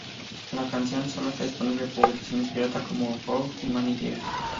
La canción solo está disponible en publicaciones pirata como "Through Many Years".